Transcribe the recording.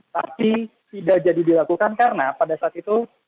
tapi tidak jadi dilakukan karena pada saat itu